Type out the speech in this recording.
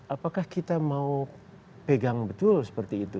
apakah kita mau pegang betul seperti itu